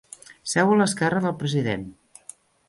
Seu a l'esquerra del president.